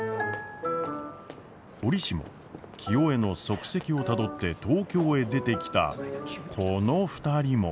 折しも清恵の足跡をたどって東京へ出てきたこの２人も。